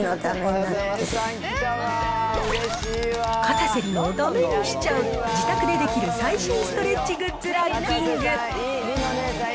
かたせ梨乃をだめにしちゃう、自宅でできる最新ストレッチグッズランキング。